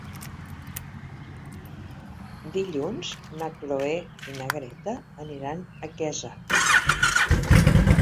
Dilluns na Cloè i na Greta aniran a Quesa.